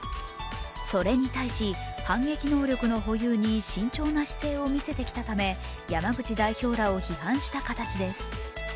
それに対し、反撃能力の保有に慎重な姿勢を見せてきたため山口代表らを批判した形です。